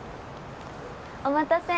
お待たせ。